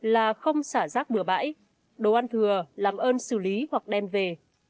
là không xả rác bừa bãi đồ ăn thừa làm ơn xử lý hoặc đem về